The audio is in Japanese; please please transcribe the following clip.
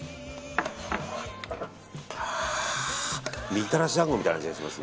みたらし団子みたいな味がします。